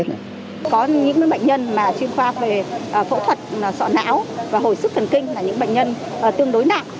có những bệnh nhân mà chuyên khoa về phẫu thuật sọ não và hồi sức thần kinh là những bệnh nhân tương đối nặng